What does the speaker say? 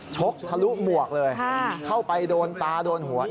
กทะลุหมวกเลยเข้าไปโดนตาโดนหัว